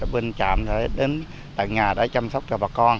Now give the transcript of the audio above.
bình chạm tới đến tặng nhà để chăm sóc cho bà con